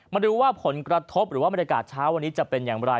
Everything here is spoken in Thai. มาดูว่าผลกระทบหรือว่าบรรยากาศเช้าวันนี้จะเป็นอย่างไร